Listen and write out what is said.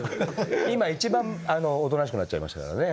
今一番おとなしくなっちゃいましたからね。